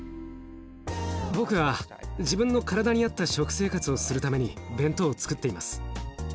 僕は自分の体に合った食生活をするために弁当をつくっています。